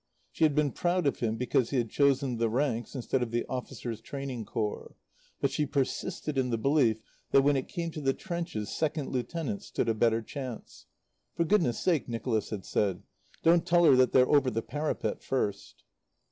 She had been proud of him because he had chosen the ranks instead of the Officers' Training Corps; but she persisted in the belief that, when it came to the trenches, second lieutenants stood a better chance. "For goodness' sake," Nicholas had said, "don't tell her that they're over the parapet first."